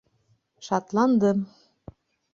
Шатландым.